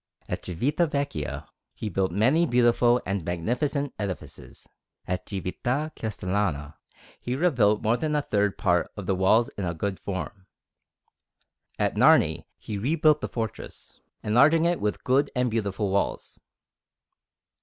At Civitavecchia he built many beautiful and magnificent edifices. At Cività Castellana he rebuilt more than a third part of the walls in a good form. At Narni he rebuilt the fortress, enlarging it with good and beautiful walls.